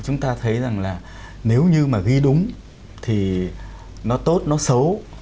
chúng ta thấy rằng là nếu như mà ghi đúng thì nó tốt nó xấu